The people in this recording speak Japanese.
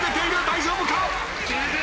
大丈夫か！？］